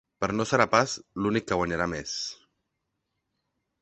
Però no serà pas l’únic que guanyarà més.